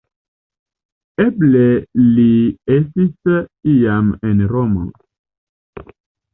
Eble li estis iam en Romo.